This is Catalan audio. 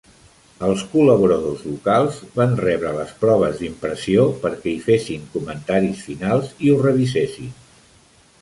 Els col·laboradors locals van rebre les proves d'impressió perquè hi fessin comentaris finals i ho revisessin.